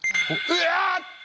うわっと。